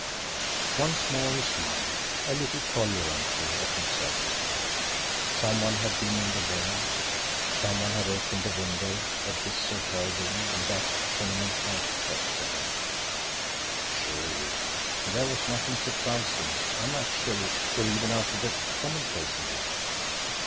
Once more he smiled a little tolerantly at himself this time. Some one had been in the lane; some one had opened the window of his or her room in that tenement house across from him surely there was nothing surprising, unnatural, or even out of the commonplace in that.